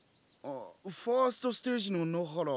ファファーストステージの野原。